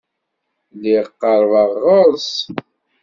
Lliɣ qerbeɣ ɣer-s.